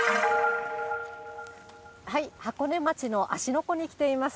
箱根町の芦ノ湖に来ています。